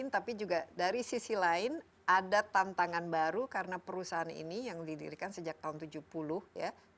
tapi juga dari sisi lain ada tantangan baru karena perusahaan ini yang didirikan sejak tahun tujuh puluh ya